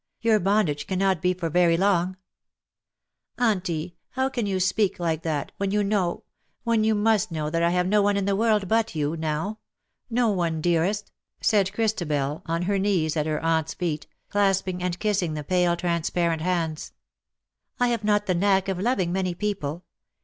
'^ Your bondage cannot be for very long/^ '^ Auntie ! how can you speak like that, when you know — when you must know that I have no one in the world but you, now — no one, dearest," said Christabel, on her knees at her aunt^s feet, clasping and kissing the pale transparent hands. ^' I have not the knack of loving many people.